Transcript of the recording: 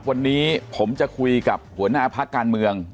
วันนี้ผมจะคุยกับหัวหน้าพักการเมือง